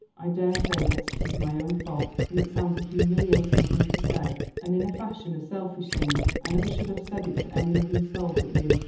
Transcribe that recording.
I daresay that it is my own fault and it sounds a humiliating thing to say, and, in a fashion, a selfish thing. I never should have said it to any living soul but you.